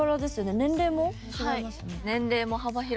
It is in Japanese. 年齢も違いますよね。